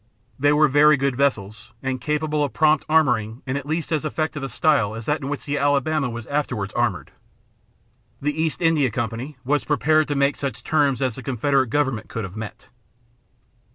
They were very good vessels, and capable of prompt armoring in at least as effective a style as that in which the Alabama was afterwards armored. The East India Company was prepared to make such terms as the Confederate government could have met.